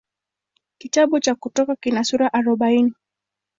Kitabu cha Kutoka kina sura arobaini.